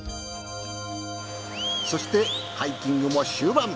そしてハイキングも終盤。